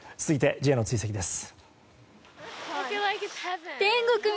続いて、Ｊの追跡です。